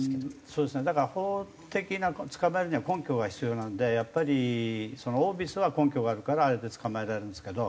だから法的な捕まえるには根拠が必要なんでやっぱりオービスは根拠があるからあれで捕まえられるんですけど。